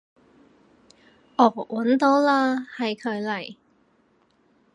哦搵到嘞，係佢嚟